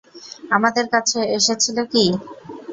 আমাদের কাছে এসেছিল কী?